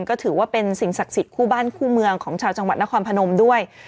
ก็ถือว่าเป็นสิ่งศักดิ์สิทธิ์คู่บ้านคู่เมืองของชาวจังหวัดนครพนมด้วย